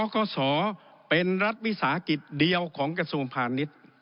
คศเป็นรัฐวิสาหกิจเดียวของกระทรวงพาณิชย์